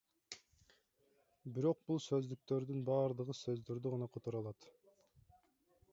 Бирок бул сөздүктөрдүн баардыгы сөздөрдү гана которо алат.